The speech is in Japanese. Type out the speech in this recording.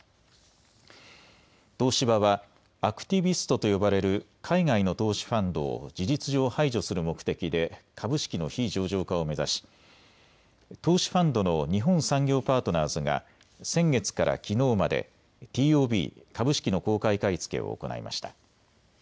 東芝はアクティビストと呼ばれる海外の投資ファンドを事実上、排除する目的で株式の非上場化を目指し、投資ファンドの日本産業パートナーズが先月からきのうまでＴＯＢ・株式の公開買い付けを行いました。